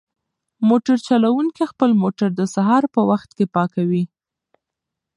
موټر چلونکی خپل موټر د سهار په وخت کې پاکوي.